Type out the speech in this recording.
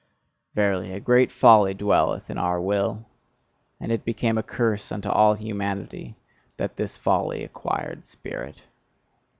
Verily, a great folly dwelleth in our Will; and it became a curse unto all humanity, that this folly acquired spirit!